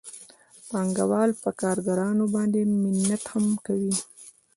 پانګوال په کارګرانو باندې منت هم کوي